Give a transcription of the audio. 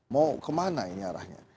mau kemana ini arahnya